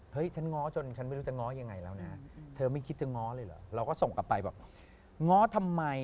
เฮ้ยฉันง้อจนฉันไม่รู้จะง้อยังไงแล้วนะ